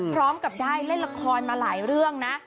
พร้อมกับได้เล่นละครมาหลายเรื่องนะ